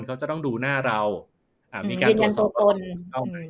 เขาจะต้องดูหน้าเราอ่ามีการตรวจสอบว่า